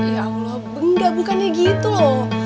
ya allah enggak bukannya gitu loh